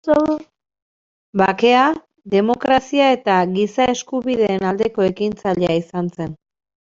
Bakea, Demokrazia eta Giza Eskubideen aldeko ekintzailea izan zen.